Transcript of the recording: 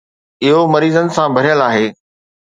اهو مريضن سان ڀريل آهي.